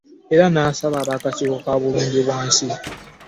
Era n'asaba ab'akakiiko ka Bulungi bwansi.